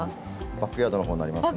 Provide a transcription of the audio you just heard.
バックヤードのほうになりますんで。